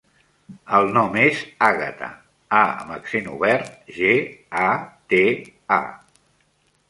El nom és Àgata: a amb accent obert, ge, a, te, a.